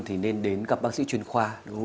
thì nên đến gặp bác sĩ chuyên khoa